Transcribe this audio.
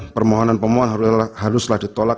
permohonan pemohon haruslah ditolak